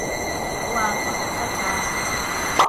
好吖，我實得㗎